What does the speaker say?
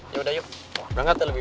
ya udah yuk berangkat lebih